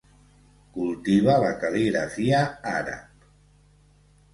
Cultiva la cal·ligrafia àrab.